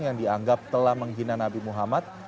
yang dianggap telah menghina nabi muhammad